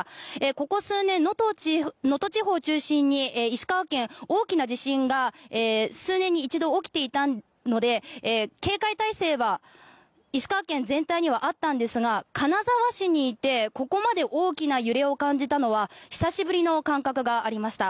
ここ数年、能登地方を中心に石川県、大きな地震が数年に一度起きていたので警戒態勢は石川県全体にはあったんですが金沢市にいてここまで大きな揺れを感じたのは久しぶりの感覚がありました。